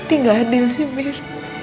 ini gak adil sih mir